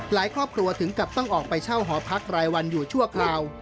หลายครอบครัวถึงต้องกลับไปเช่าหอพักรายวันอยู่ชั่วคราว